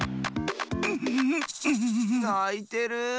ないてる！